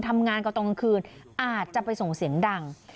ทำงานกับตอนกลางคืนอาจจะไปส่งเสียงดัง